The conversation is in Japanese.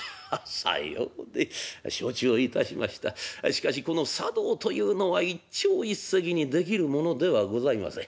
しかしこの茶道というのは一朝一夕にできるものではございません。